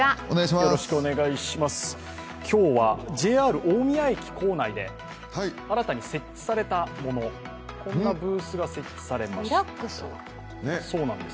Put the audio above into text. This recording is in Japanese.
今日はＪＲ大宮駅構内で新たに設置されもの、こんなブースが設置されました。